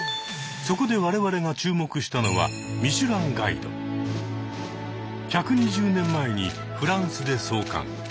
そこで我々が注目したのは１２０年前にフランスで創刊。